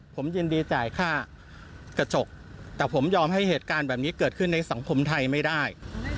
ผมยินดีจ่ายค่ากระจกแต่ผมยอมให้เหตุการณ์แบบนี้เกิดขึ้นในสังคมไทยไม่ได้